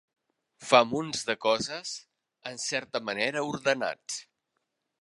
Fa munts de coses en certa manera ordenats.